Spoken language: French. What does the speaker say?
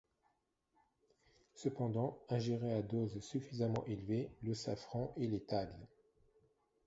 Cependant, ingéré à dose suffisamment élevée, le safran est létal.